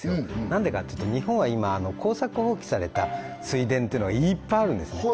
何でかっていうと日本は今耕作放棄された水田っていうのがいっぱいあるんですね